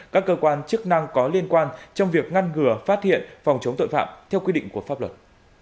các cơ quan chức năng có liên quan trong việc ngăn ngừa phát hiện phòng chống tội phạm theo quy định của pháp luật